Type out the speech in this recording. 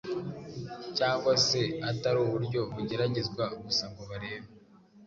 cyangwa se atari uburyo bugeragezwa gusa ngo barebe